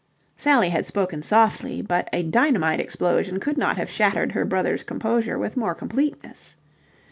Sally had spoken softly, but a dynamite explosion could not have shattered her brother's composure with more completeness.